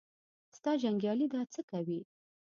ستا جنګیالي دا څه کوي.